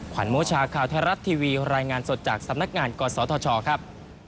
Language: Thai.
วันโมชาข่าวไทยรัฐทีวีรายงานสดจากสำนักงานกศธชครับ